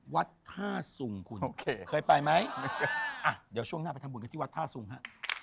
วัดท่าสุงคุณเคยไปไหมอ่ะเดี๋ยวช่วงหน้าไปทำบุญกันที่วัดท่าสุงฮะ